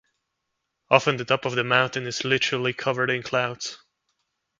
Often the top of the mountain is literally covered in clouds.